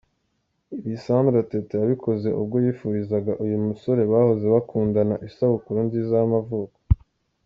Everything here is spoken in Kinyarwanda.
Ibi Sandra Teta yabikoze ubwo yifurizaga uyu musore bahoze bakundama isabukuru nziza y'amavuko.